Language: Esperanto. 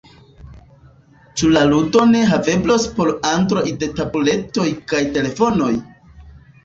Ĉu la ludo ne haveblos por Android-tabuletoj kaj telefonoj?